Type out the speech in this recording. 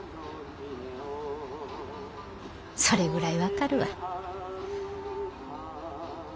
それぐらい分かるわ。